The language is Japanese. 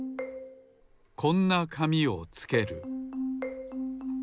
こんなかみをつける。